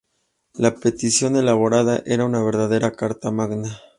La petición elaborada era una verdadera Carta Magna.